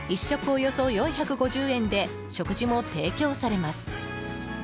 およそ４５０円で食事も提供されます。